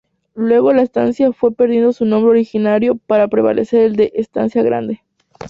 Luego la estancia fue perdiendo su nombre originario para prevalecer el de "Estancia Grande".